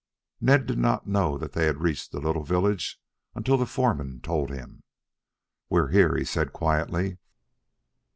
Ned did not know that they had reached the little village until the foreman told him. "We're here," he said quietly.